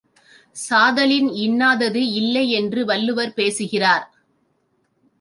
சாதலின் இன்னாதது இல்லை என்று வள்ளுவர் பேசுகிறார்.